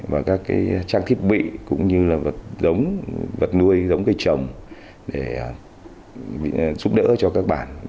và các trang thiết bị cũng như là vật nuôi giống cây trồng để giúp đỡ cho các bạn